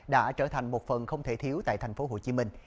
đã trở thành một phần không thể thiếu tại thành phố hồ chí minh